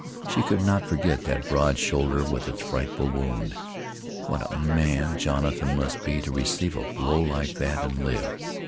She could not forget that broad shoulder with its frightful wound. What a man Jonathan must be to receive a blow like that and live!